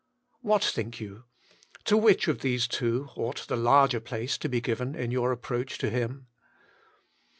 What think you ? to which of these two ought the larger place to be given in your approach to Him?